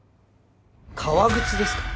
革靴ですか？